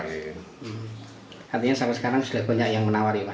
artinya sampai sekarang sudah banyak yang menawari pak